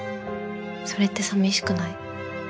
それって寂しくない？